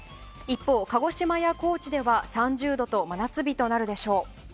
一方、鹿児島や高知では３０度と真夏日となるでしょう。